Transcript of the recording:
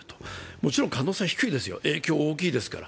もちろん可能性は低いですよ、影響は大きいですから。